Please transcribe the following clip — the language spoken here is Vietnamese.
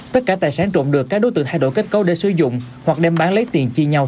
tất cả tài sản trộm được các đối tượng thay đổi kết cấu để sử dụng hoặc đem bán lấy tiền chia nhau